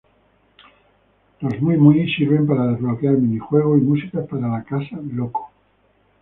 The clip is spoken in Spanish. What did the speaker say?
Los Mui Mui sirven para desbloquear minijuegos y música para la "Casa Loco".